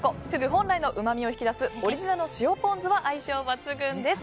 本来のうまみを引き出すオリジナルの塩ポン酢は相性抜群です。